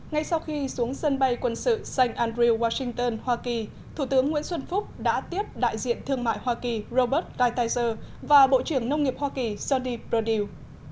ngay sau khi xuống sân bay quân sự st andrews washington hoa kỳ thủ tướng nguyễn xuân phúc đã tiếp đại diện thương mại hoa kỳ robert gaitizer và bộ trưởng nông nghiệp hoa kỳ jody brodieu